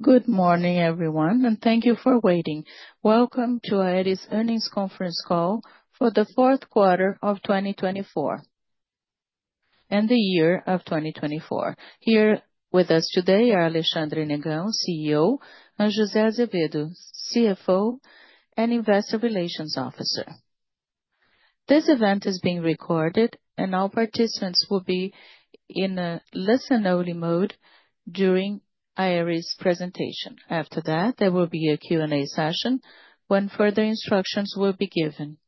Good morning, everyone, and thank you for waiting. Welcome to Aeris Earnings Conference Call for the Q4 of 2024 and the year of 2024. Here with us today are Alexandre Negrão, CEO, and José Azevedo, CFO and Investor Relations Officer. This event is being recorded, and all participants will be in a listen-only mode during Aeris' presentation. After that, there will be a Q&A session when further instructions will be given.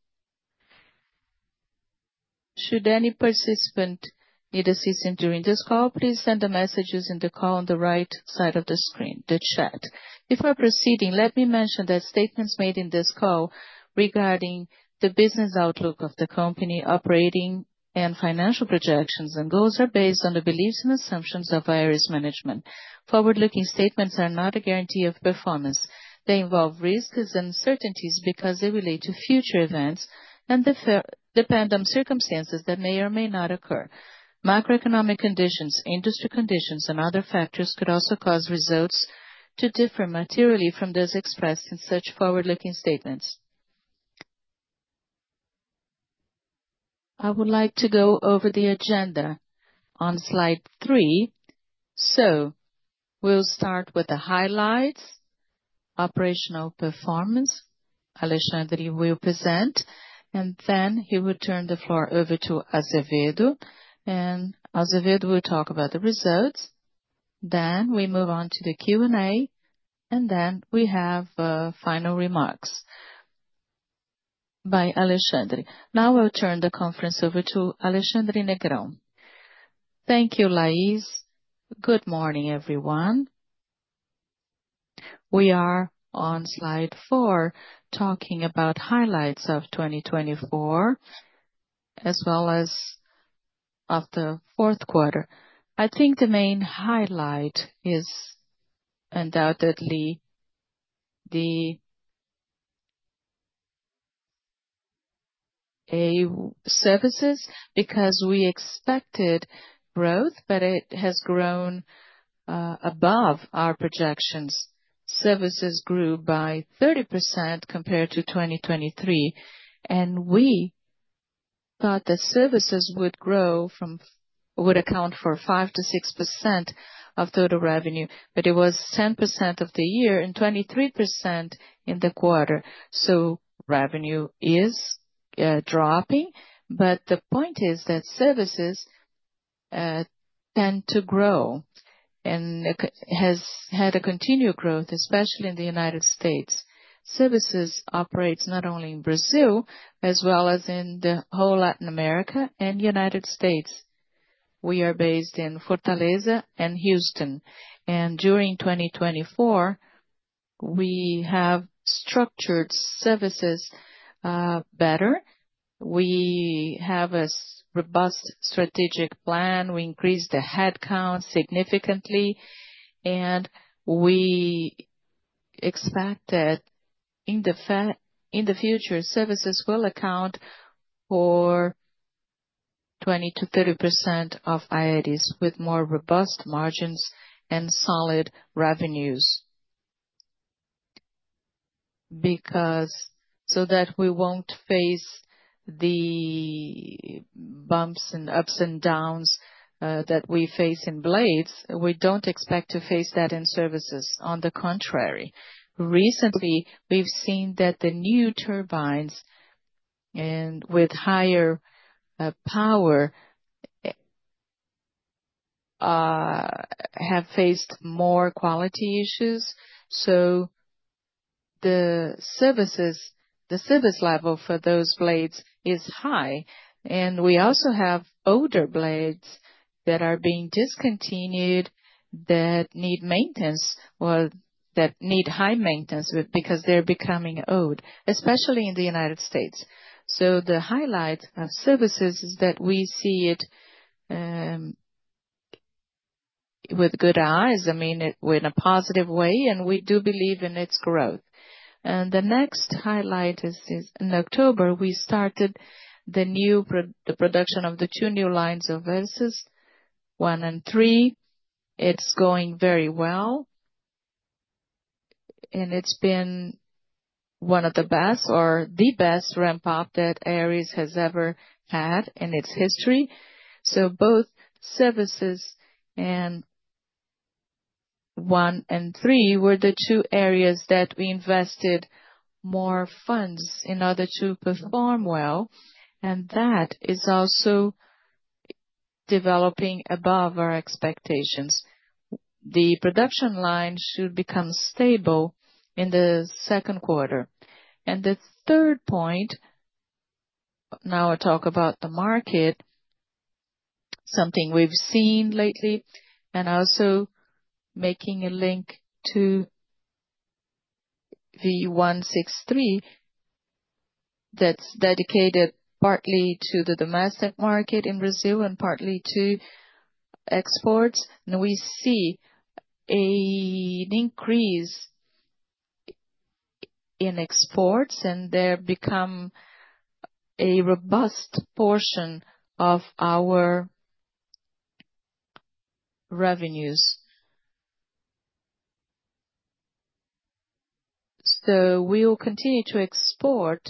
Should any participant need assistance during this call, please send a message using the call on the right side of the screen, the chat. Before proceeding, let me mention that statements made in this call regarding the business outlook of the company, operating, and financial projections and goals are based on the beliefs and assumptions of Aeris Management. Forward-looking statements are not a guarantee of performance. They involve risks and uncertainties because they relate to future events and depend on circumstances that may or may not occur. Macroeconomic conditions, industry conditions, and other factors could also cause results to differ materially from those expressed in such forward-looking statements. I would like to go over the agenda on slide three. We will start with the highlights, operational performance. Alexandre will present, and then he will turn the floor over to Azevedo. Azevedo will talk about the results. We move on to the Q&A, and then we have final remarks by Alexandre. Now I will turn the conference over to Alexandre Negrão. Thank you, Lais. Good morning, everyone. We are on slide four talking about highlights of 2024 as well as of the Q4. I think the main highlight is undoubtedly the services because we expected growth, but it has grown above our projections. Services grew by 30% compared to 2023, and we thought that services would account for 5% to 6% of total revenue, but it was 10% for the year and 23% in the quarter. Revenue is dropping, but the point is that services tend to grow and have had continued growth, especially in the United States. Services operate not only in Brazil as well as in the whole Latin America and United States. We are based in Fortaleza and Houston. During 2024, we have structured services better. We have a robust strategic plan. We increased the headcount significantly, and we expect that in the future, services will account for 20% to 30% of revenue with more robust margins and solid revenues because that way we will not face the bumps and ups and downs that we face in blades. We do not expect to face that in services. On the contrary, recently, we've seen that the new turbines with higher power have faced more quality issues. The service level for those blades is high. We also have older blades that are being discontinued that need maintenance or that need high maintenance because they're becoming old, especially in the United States. The highlight of services is that we see it with good eyes, I mean, in a positive way, and we do believe in its growth. The next highlight is in October, we started the production of the two new lines of services, one and three. It's going very well, and it's been one of the best or the best ramp-up that Aeris has ever had in its history. Both services and one and three were the two areas that we invested more funds in order to perform well. That is also developing above our expectations. The production line should become stable in the Q2. The third point, now I'll talk about the market, something we've seen lately, and also making a link to V163 that's dedicated partly to the domestic market in Brazil and partly to exports. We see an increase in exports, and they become a robust portion of our revenues. We will continue to export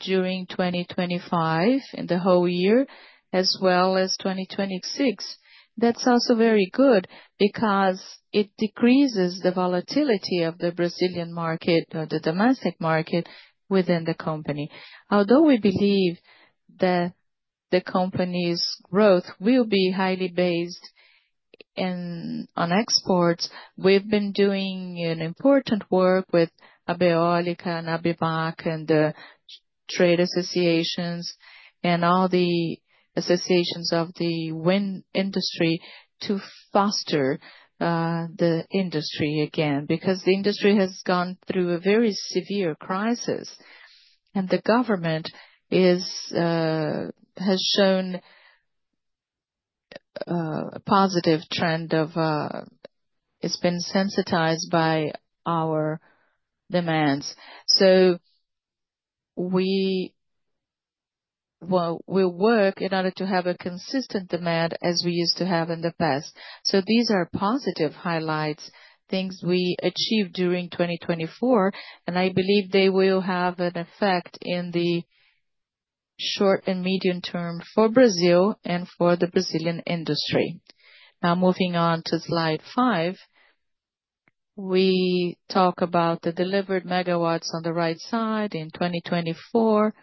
during 2025 and the whole year as well as 2026. That is also very good because it decreases the volatility of the Brazilian market or the domestic market within the company. Although we believe that the company's growth will be highly based on exports, we've been doing important work with ABEEólica and ABIMAQ and the trade associations and all the associations of the wind industry to foster the industry again because the industry has gone through a very severe crisis. The government has shown a positive trend of it's been sensitized by our demands. We will work in order to have a consistent demand as we used to have in the past. These are positive highlights, things we achieved during 2024, and I believe they will have an effect in the short and medium term for Brazil and for the Brazilian industry. Now, moving on to slide five, we talk about the delivered megawatts on the right side. In 2024,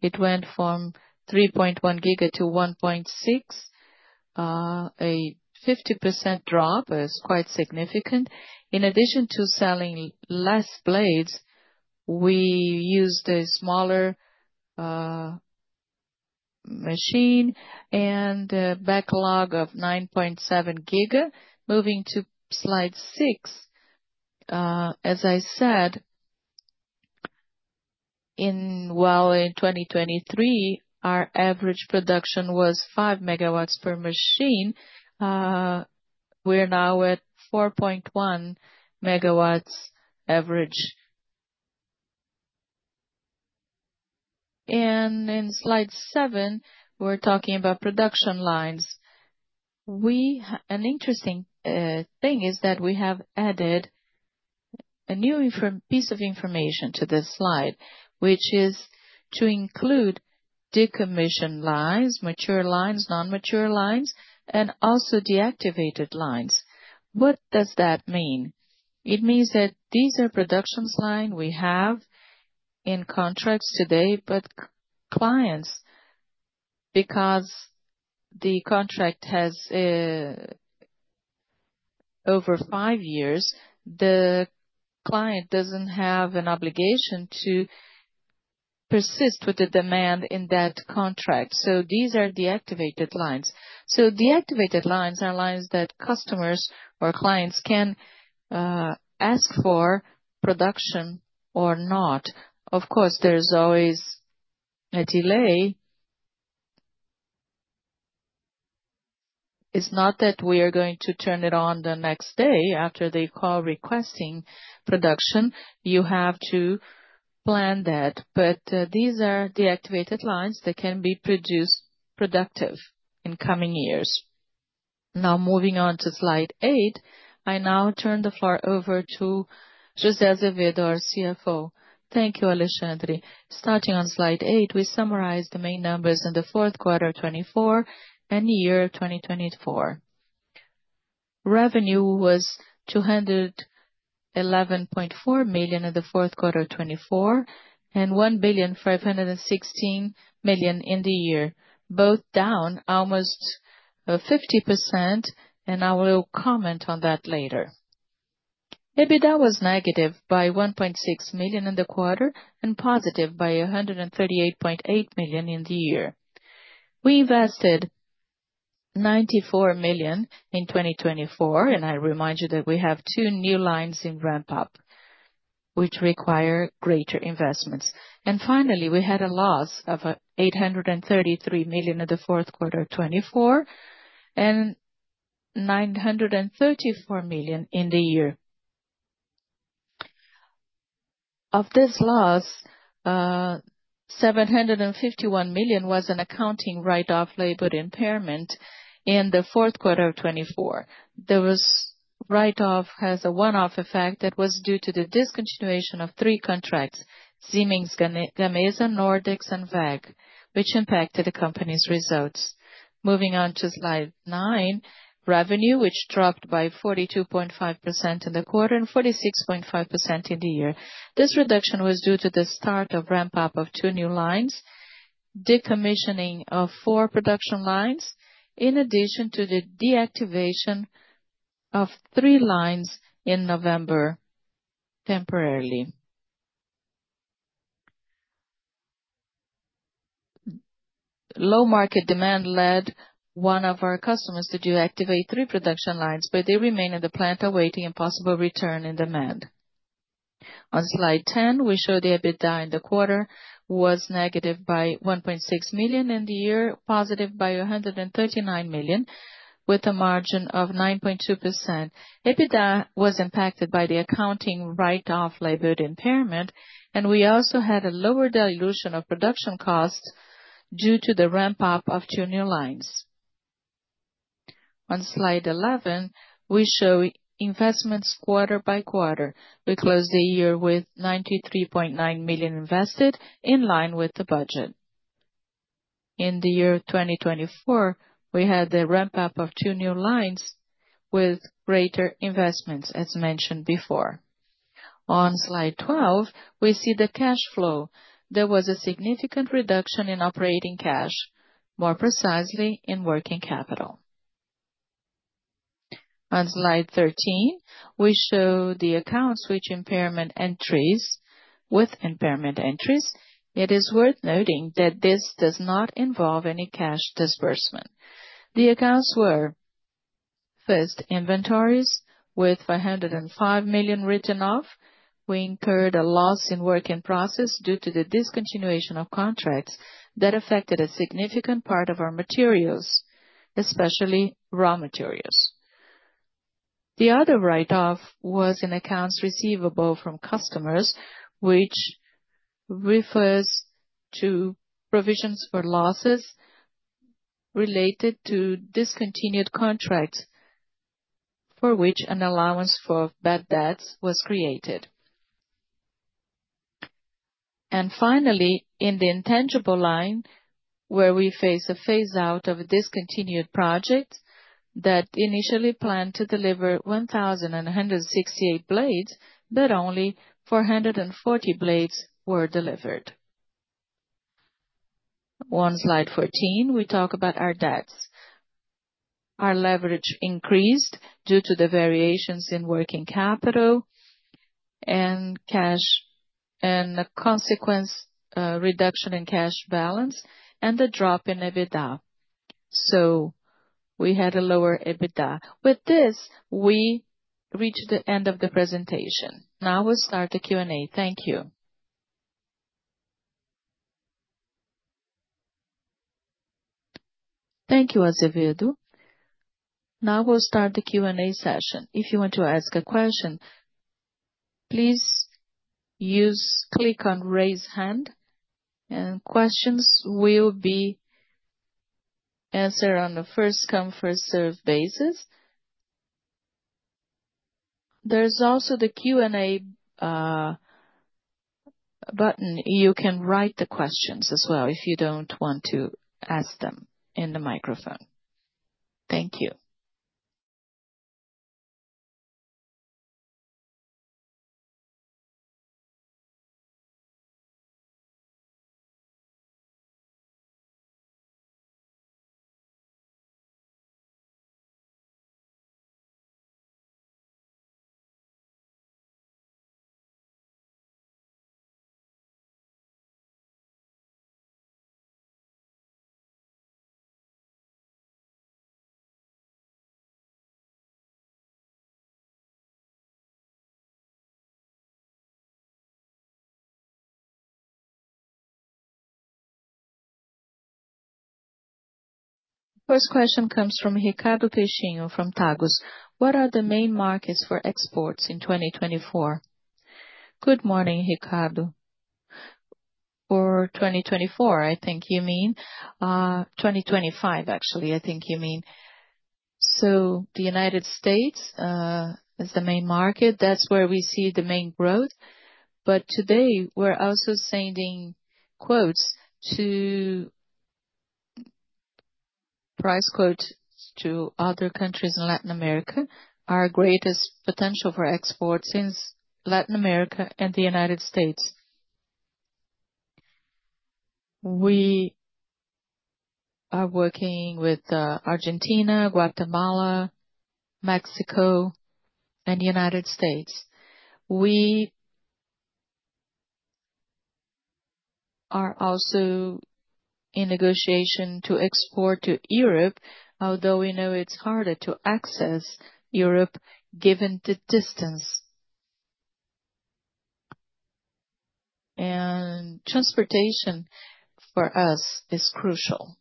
it went from 3.1 gig to 1.6 gig, a 50% drop. It's quite significant. In addition to selling less blades, we used a smaller machine and a backlog of 9.7 gig. Moving to slide six, as I said, while in 2023, our average production was 5 megawatts per machine, we're now at 4.1 megawatts average. In slide seven, we're talking about production lines. An interesting thing is that we have added a new piece of information to this slide, which is to include decommissioned lines, mature lines, non-mature lines, and also deactivated lines. What does that mean? It means that these are production lines we have in contracts today, but clients, because the contract has over five years, the client doesn't have an obligation to persist with the demand in that contract. These are deactivated lines. Deactivated lines are lines that customers or clients can ask for production or not. Of course, there's always a delay. It's not that we are going to turn it on the next day after they call requesting production. You have to plan that. These are deactivated lines that can be productive in coming years. Now, moving on to slide eight, I now turn the floor over toJosé Azevedo, our CFO. Thank you, Alexandre. Starting on slide eight, we summarize the main numbers in the Q4 of 2024 and year 2024. Revenue was 211.4 million in the Q4 of 2024 and 1,516 million in the year, both down almost 50%, and I will comment on that later. EBITDA was negative by 1.6 million in the quarter and positive by 138.8 million in the year. We invested 94 million in 2024, and I remind you that we have two new lines in ramp-up which require greater investments. Finally, we had a loss of 833 million in the Q4 of 2024 and 934 million in the year. Of this loss, 751 million was an accounting write-off labor impairment in the Q4 of 2024. The write-off has a one-off effect that was due to the discontinuation of three contracts, Siemens Gamesa, Nordex, and WEG, which impacted the company's results. Moving on to slide nine, revenue, which dropped by 42.5% in the quarter and 46.5% in the year. This reduction was due to the start of ramp-up of two new lines, decommissioning of four production lines, in addition to the deactivation of three lines in November temporarily. Low market demand led one of our customers to deactivate three production lines, but they remain in the plant awaiting a possible return in demand. On slide 10, we show the EBITDA in the quarter was negative by 1.6 million in the year, positive by 139 million, with a margin of 9.2%. EBITDA was impacted by the accounting write-off, labor impairment, and we also had a lower dilution of production costs due to the ramp-up of two new lines. On slide 11, we show investments quarter by quarter. We closed the year with 93.9 million invested in line with the budget. In the year 2024, we had the ramp-up of two new lines with greater investments, as mentioned before. On slide 12, we see the cash flow. There was a significant reduction in operating cash, more precisely in working capital. On slide 13, we show the accounts with impairment entries. It is worth noting that this does not involve any cash disbursement. The accounts were first inventories with 505 million written off. We incurred a loss in working process due to the discontinuation of contracts that affected a significant part of our materials, especially raw materials. The other write-off was in accounts receivable from customers, which refers to provisions for losses related to discontinued contracts for which an allowance for bad debts was created. Finally, in the intangible line, where we face a phase-out of a discontinued project that initially planned to deliver 1,168 blades, but only 440 blades were delivered. On slide 14, we talk about our debts. Our leverage increased due to the variations in working capital and a consequent reduction in cash balance and the drop in EBITDA. We had a lower EBITDA. With this, we reach the end of the presentation. Now we'll start the Q&A. Thank you. Thank you, Azevedo. Now we'll start the Q&A session. If you want to ask a question, please click on raise hand, and questions will be answered on a first-come, first-served basis. There is also the Q&A button. You can write the questions as well if you do not want to ask them in the microphone. Thank you. First question comes from Ricardo Peixinho from Tagus. What are the main markets for exports in 2024? Good morning, Ricardo. For 2024, I think you mean. 2025, actually, I think you mean. The United States is the main market. That is where we see the main growth. Today, we are also sending quotes, price quotes, to other countries in Latin America. Our greatest potential for exports is Latin America and the United States. We are working with Argentina, Guatemala, Mexico, and the United States. We are also in negotiation to export to Europe, although we know it is harder to access Europe given the distance. Transportation for us is crucial.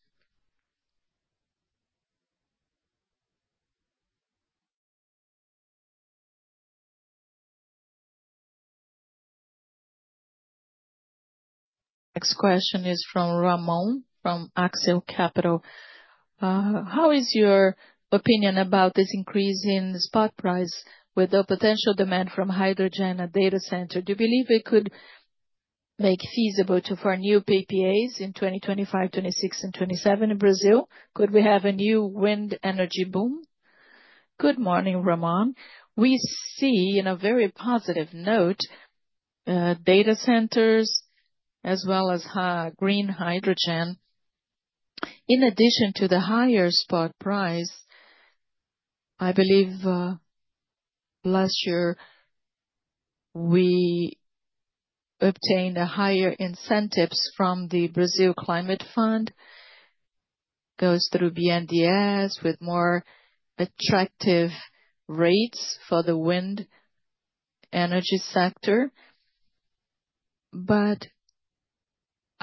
Next question is from Ramon from Axial Capital. How is your opinion about this increase in spot price with the potential demand from hydrogen and data center? Do you believe it could make feasible to fund new PPAs in 2025, 2026, and 2027 in Brazil? Could we have a new wind energy boom? Good morning, Ramon. We see in a very positive note data centers as well as green hydrogen. In addition to the higher spot price, I believe last year we obtained higher incentives from the Brazil Climate Fund. It goes through BNDES with more attractive rates for the wind energy sector.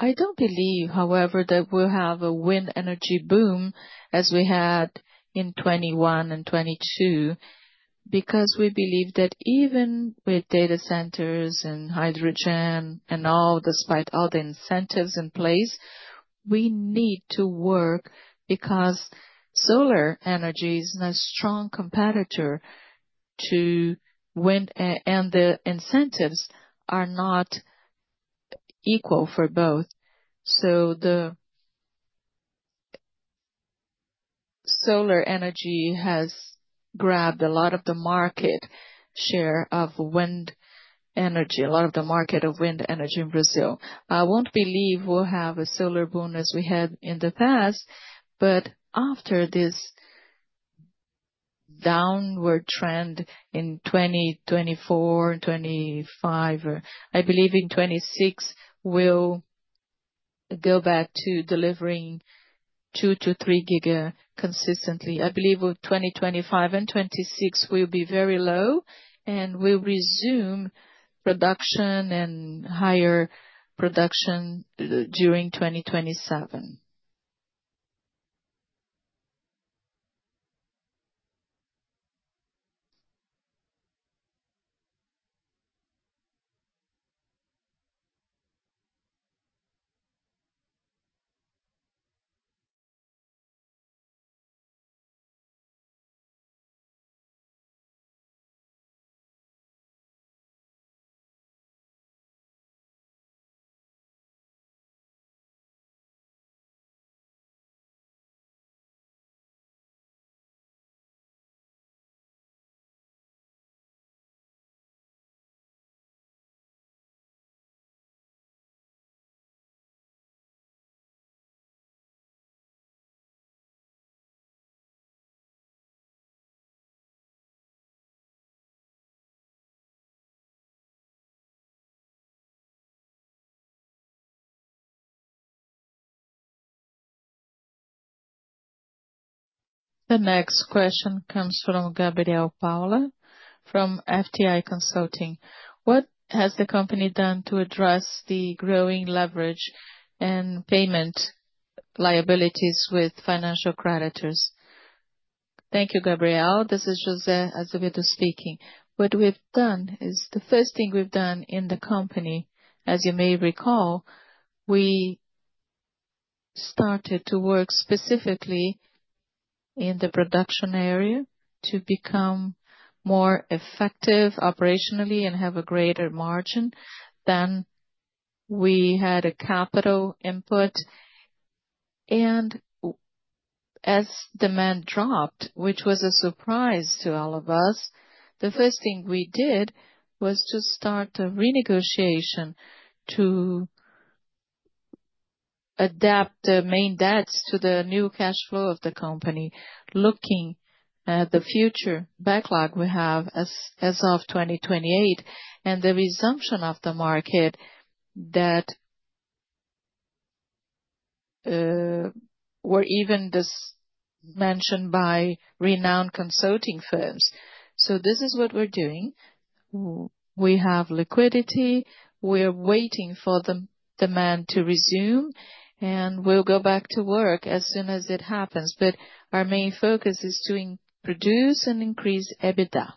I don't believe, however, that we'll have a wind energy boom as we had in 2021 and 2022 because we believe that even with data centers and hydrogen and all, despite all the incentives in place, we need to work because solar energy is a strong competitor to wind, and the incentives are not equal for both. Solar energy has grabbed a lot of the market share of wind energy, a lot of the market of wind energy in Brazil. I won't believe we'll have a solar boom as we had in the past, but after this downward trend in 2024 and 2025, or I believe in 2026, we'll go back to delivering 2-3 gigawatts consistently. I believe with 2025 and 2026, we'll be very low, and we'll resume production and higher production during 2027. The next question comes from Gabriel Paula from FTI Consulting. What has the company done to address the growing leverage and payment liabilities with financial creditors? Thank you, Gabriel. This is José Azevedo speaking. What we've done is the first thing we've done in the company, as you may recall, we started to work specifically in the production area to become more effective operationally and have a greater margin than we had a capital input. As demand dropped, which was a surprise to all of us, the first thing we did was to start a renegotiation to adapt the main debts to the new cash flow of the company, looking at the future backlog we have as of 2028 and the resumption of the market that were even mentioned by renowned consulting firms. This is what we're doing. We have liquidity. We are waiting for the demand to resume, and we'll go back to work as soon as it happens. Our main focus is to produce and increase EBITDA.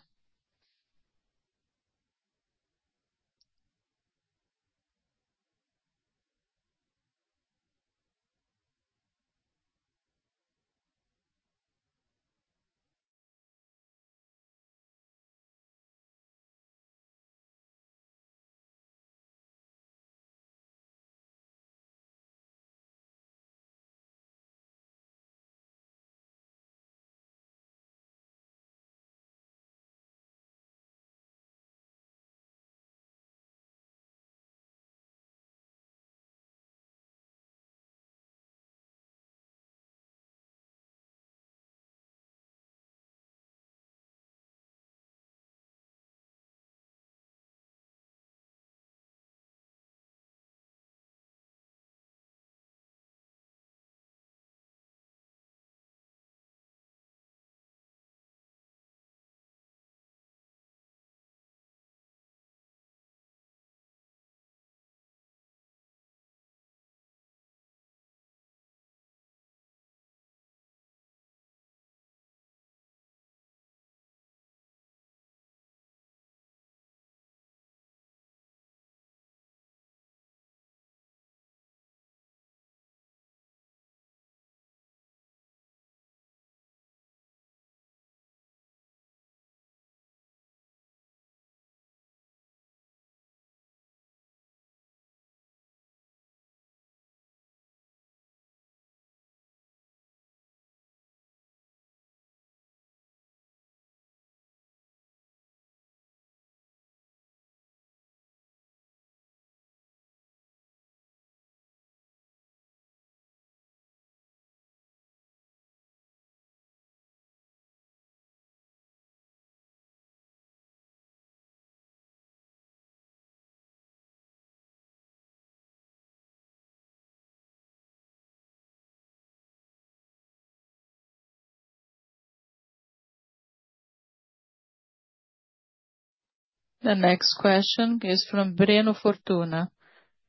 The next question is from Breno Fortuna,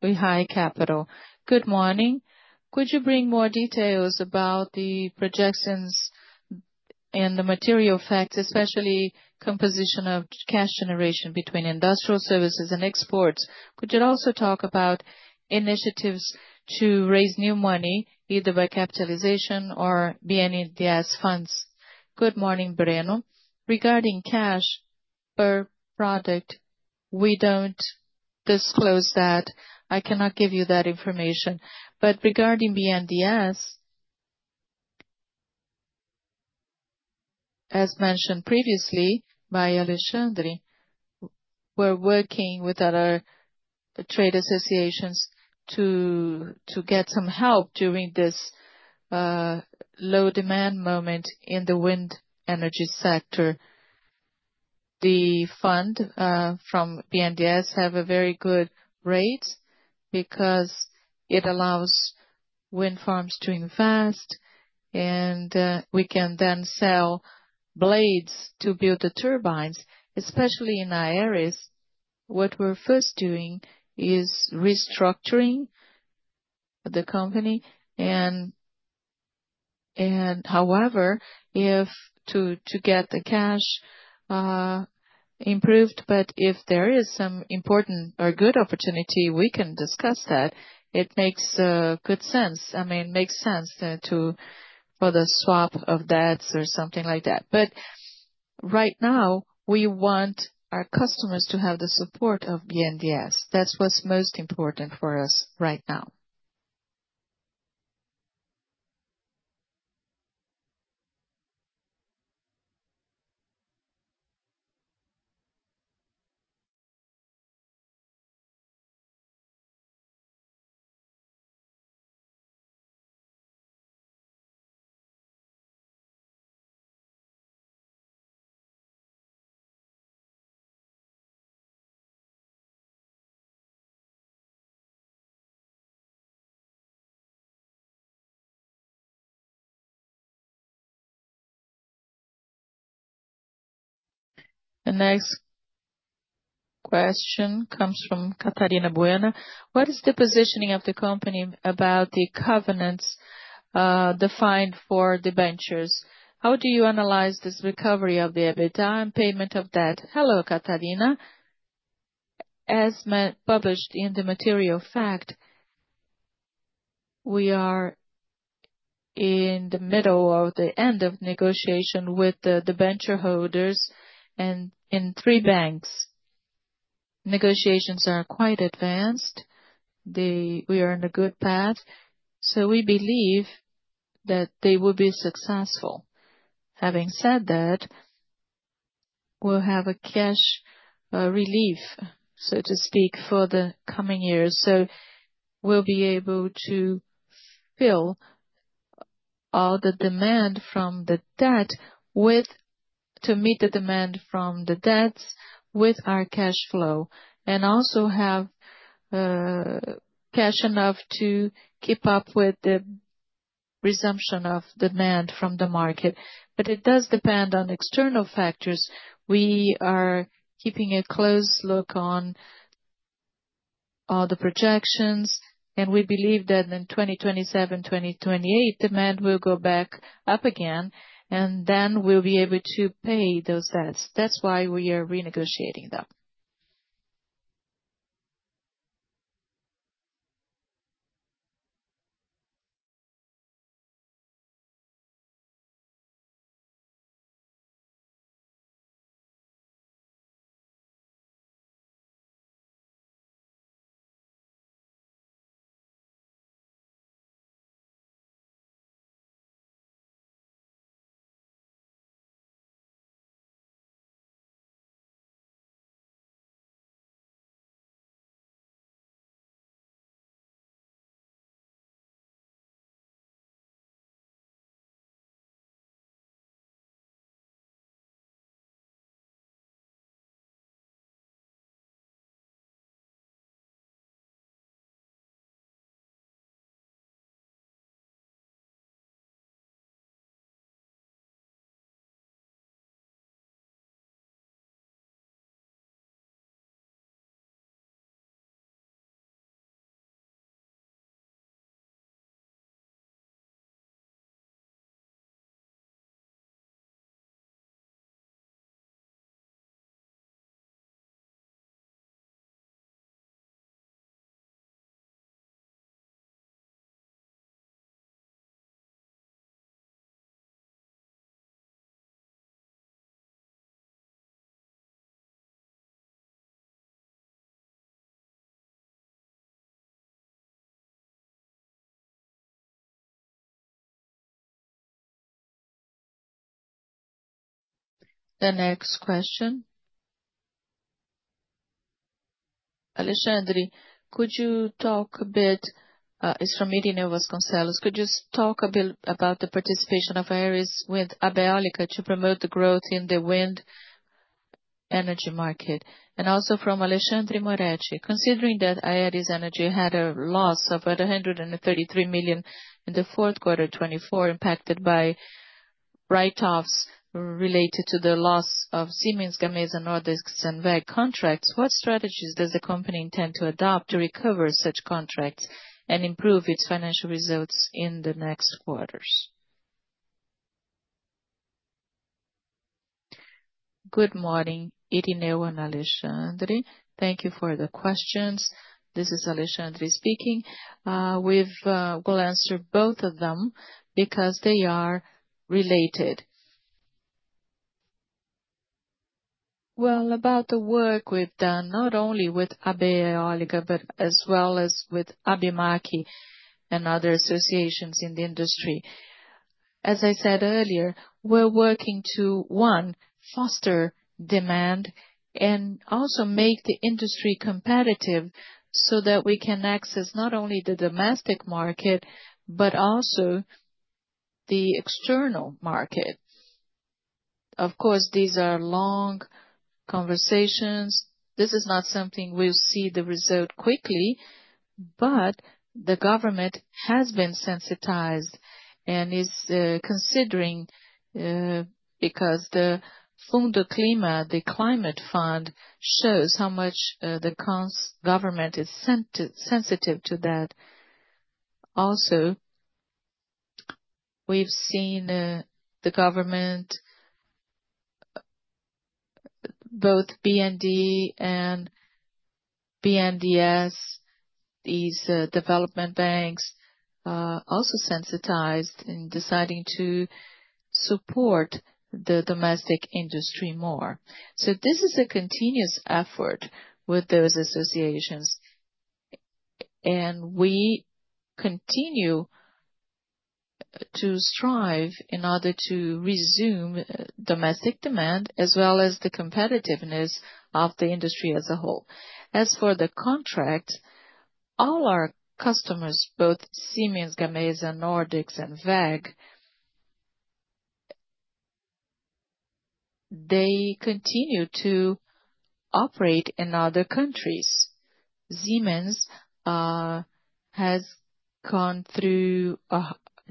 with Hire Capital. Good morning. Could you bring more details about the projections and the material facts, especially composition of cash generation between industrial services and exports? Could you also talk about initiatives to raise new money, either by capitalization or BNDES funds? Good morning, Breno. Regarding cash per product, we don't disclose that. I cannot give you that information. Regarding BNDES, as mentioned previously by Alexandre, we're working with other trade associations to get some help during this low demand moment in the wind energy sector. The fund from BNDES has a very good rate because it allows wind farms to invest, and we can then sell blades to build the turbines, especially in areas. What we're first doing is restructuring the company. However, if to get the cash improved, if there is some important or good opportunity, we can discuss that. It makes good sense. I mean, it makes sense for the swap of debts or something like that. Right now, we want our customers to have the support of BNDES. That's what's most important for us right now. The next question comes from Catarina Bueno. What is the positioning of the company about the covenants defined for the ventures? How do you analyze this recovery of the EBITDA and payment of debt? Hello, Catarina. As published in the material fact, we are in the middle or the end of negotiation with the debenture holders and in three banks. Negotiations are quite advanced. We are on a good path. We believe that they will be successful. Having said that, we'll have a cash relief, so to speak, for the coming years. We'll be able to fill all the demand from the debt to meet the demand from the debts with our cash flow and also have cash enough to keep up with the resumption of demand from the market. It does depend on external factors. We are keeping a close look on all the projections, and we believe that in 2027, 2028, demand will go back up again, and then we'll be able to pay those debts. That's why we are renegotiating them. The next question. Alexandre, could you talk a bit? It's from Irina Vasconcelos. Could you talk a bit about the participation of Aeris with Abeeólica to promote the growth in the wind energy market? Also from Alexandre Moretti. Considering that Aeris Energy had a loss of 133 million in the Q4 of 2024 impacted by write-offs related to the loss of Siemens Gamesa, Nordex, and WEG contracts, what strategies does the company intend to adopt to recover such contracts and improve its financial results in the next quarters? Good morning, Irina and Alexandre. Thank you for the questions. This is Alexandre speaking. We'll answer both of them because they are related. About the work we've done not only with Abeeólica, but as well as with ABIMAQ and other associations in the industry. As I said earlier, we're working to, one, foster demand and also make the industry competitive so that we can access not only the domestic market, but also the external market. Of course, these are long conversations. This is not something we'll see the result quickly, but the government has been sensitized and is considering because the Fundo Clima, the Climate Fund, shows how much the government is sensitive to that. Also, we've seen the government, both BND and BNDES, these development banks, also sensitized in deciding to support the domestic industry more. This is a continuous effort with those associations, and we continue to strive in order to resume domestic demand as well as the competitiveness of the industry as a whole. As for the contract, all our customers, both Siemens Gamesa, Nordex, and WEG, they continue to operate in other countries. Siemens Gamesa has gone through a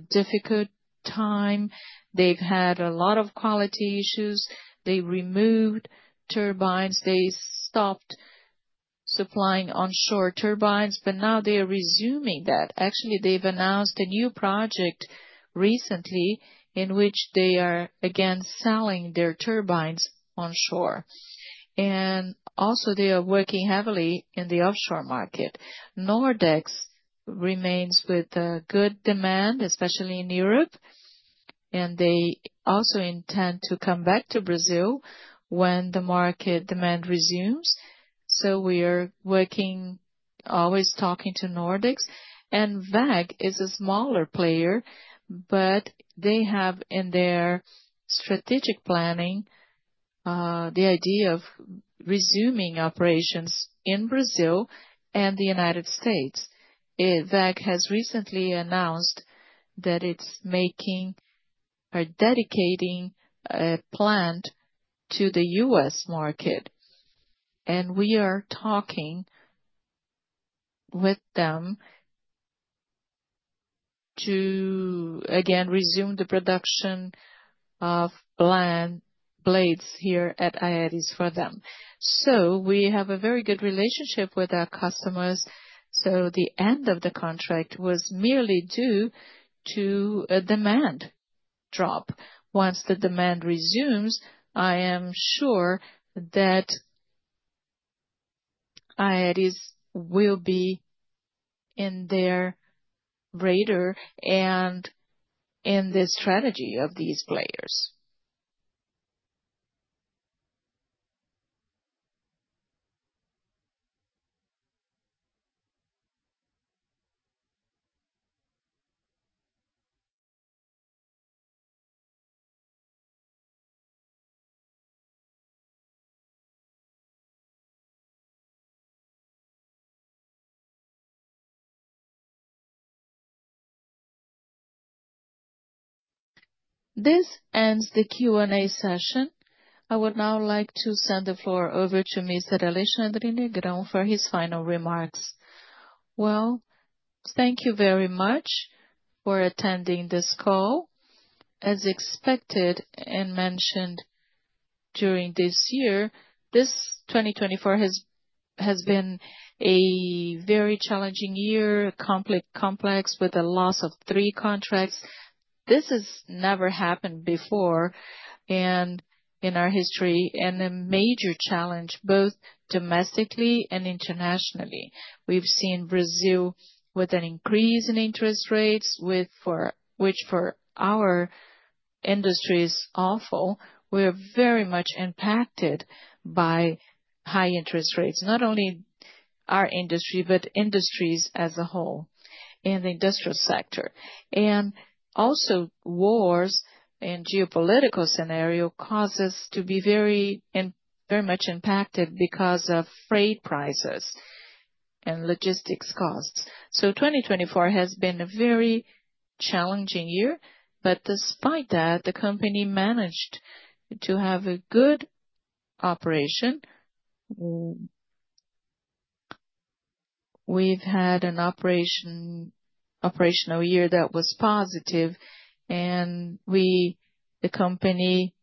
difficult time. They've had a lot of quality issues. They removed turbines. They stopped supplying onshore turbines, but now they are resuming that. Actually, they've announced a new project recently in which they are again selling their turbines onshore. They are also working heavily in the offshore market. Nordex remains with good demand, especially in Europe, and they also intend to come back to Brazil when the market demand resumes. We are working, always talking to Nordex. WEG is a smaller player, but they have in their strategic planning the idea of resuming operations in Brazil and the United States. WEG has recently announced that it's making or dedicating a plant to the US market. We are talking with them to again resume the production of wind blades here at Aeris for them. We have a very good relationship with our customers. The end of the contract was merely due to a demand drop. Once the demand resumes, I am sure that Aeris will be in their radar and in the strategy of these players. This ends the Q&A session. I would now like to send the floor over to Mr. Alexandre Negrão for his final remarks. Thank you very much for attending this call. As expected and mentioned during this year, this 2024 has been a very challenging year, complex, with a loss of three contracts. This has never happened before in our history and a major challenge both domestically and internationally. We have seen Brazil with an increase in interest rates, which for our industry is awful. We are very much impacted by high interest rates, not only our industry, but industries as a whole in the industrial sector. Wars and geopolitical scenarios cause us to be very much impacted because of freight prices and logistics costs. The year 2024 has been a very challenging year, but despite that, the company managed to have a good operation. We have had an operational year that was positive, and the company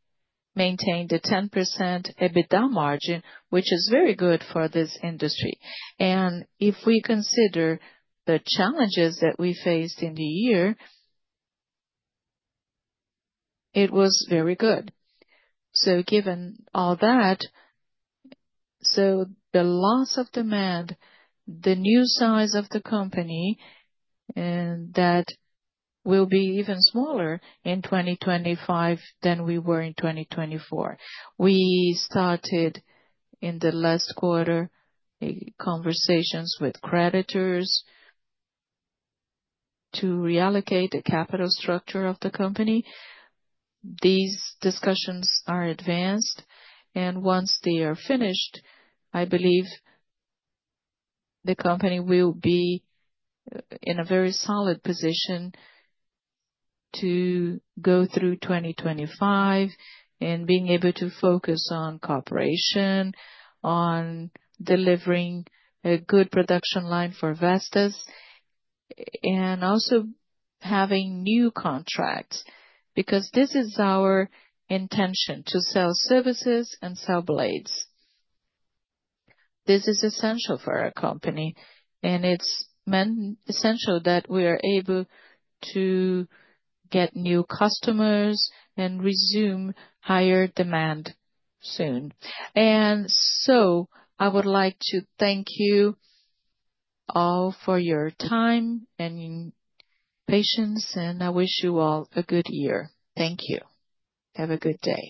maintained a 10% EBITDA margin, which is very good for this industry. If we consider the challenges that we faced in the year, it was very good. Given all that, the loss of demand, the new size of the company, and that will be even smaller in 2025 than we were in 2024. We started in the last quarter conversations with creditors to reallocate the capital structure of the company. These discussions are advanced, and once they are finished, I believe the company will be in a very solid position to go through 2025 and be able to focus on cooperation, on delivering a good production line for Vestas, and also having new contracts because this is our intention to sell services and sell blades. This is essential for our company, and it's essential that we are able to get new customers and resume higher demand soon. I would like to thank you all for your time and patience, and I wish you all a good year. Thank you. Have a good day.